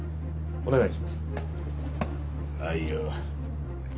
お願いします。